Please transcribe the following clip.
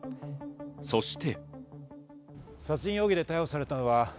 そして。